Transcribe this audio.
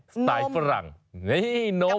สไตล์ฝรั่งนี่น้อง